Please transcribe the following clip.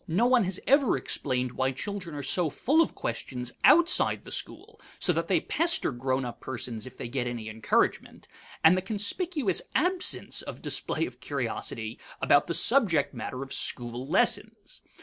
No one has ever explained why children are so full of questions outside of the school (so that they pester grown up persons if they get any encouragement), and the conspicuous absence of display of curiosity about the subject matter of school lessons.